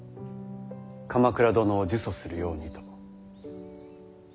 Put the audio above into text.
鎌倉殿を呪詛するようにと。